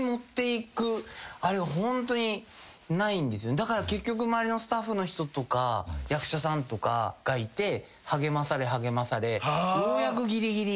だから結局周りのスタッフの人とか役者さんとかがいて励まされ励まされようやくぎりぎり。